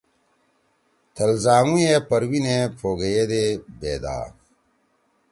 تھل زانگوئے پروینے پھوگیئی ئے دے بیدا